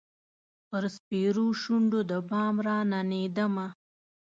پر سپیرو شونډو د بام راننېدمه